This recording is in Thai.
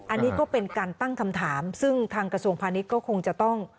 อันนี้ก็เป็นการตั้งคำถามซึ่งทางกระทรวงพาณิชย์ก็คงจะต้อง